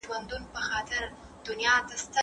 تاریخي حقایق د وخت په تېرېدو نه بدلیږي.